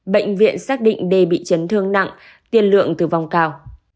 bệnh viện xác định d bị chấn thương nặng tiên lượng từ vòng cao